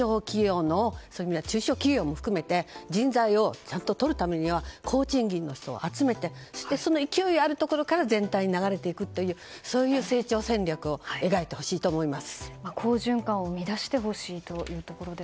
中小企業も含めて人材をちゃんととるためには高賃金の人を集めてそしてその勢いあるところから全体に流れていくというそういう成長戦略を描いてほしいと思います。